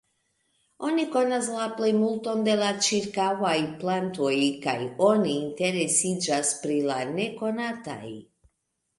Oni konas la plejmulton de la ĉirkaŭaj plantoj kaj oni interesiĝas pri la nekonataj.